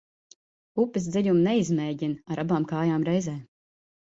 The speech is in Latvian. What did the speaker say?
Upes dziļumu neizmēģina ar abām kājām reizē.